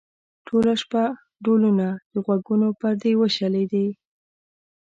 ټوله شپه ډولونه؛ د غوږونو پردې وشلېدې.